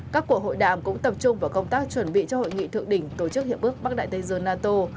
các cuộc hội đàm cũng tập trung vào công tác chuẩn bị cho hội nghị thượng đỉnh tổ chức hiệp ước bắc đại tây dương nato